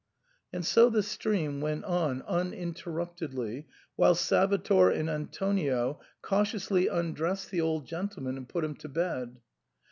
And so the stream went on uninterruptedly, whilst Salvator and Antonio cautiously undressed the old gen tleman and put him to bed.